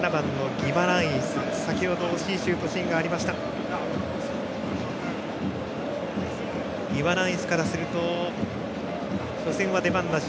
ギマランイスからすると初戦は出番なし